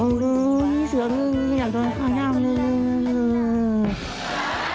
โอ้โฮพี่เสืออยากโดนข้างย่างเลย